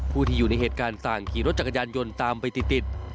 ผู้ที่อยู่ในเหตุการณ์ต่างขี่รถจักรยานยนต์ตามไปติด